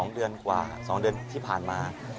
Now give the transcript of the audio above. ๒เดือนกว่า๒เดือนที่ผ่านมา